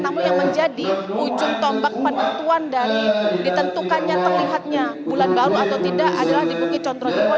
namun yang menjadi ujung tombak pembentuan dari ditentukan yang terlihatnya bulan baru atau tidak adalah di bukit cotro di poenisah